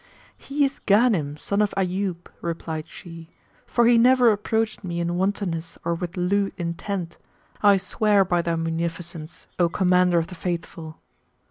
"He is Ghanim son of Ayyub," replied she, "for he never approached me in wantonness or with lewd intent, I swear by thy munificence, O Commander of the Faithful!"